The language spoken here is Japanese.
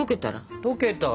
溶けたら。